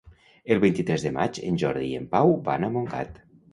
El vint-i-tres de maig en Jordi i en Pau van a Montgat.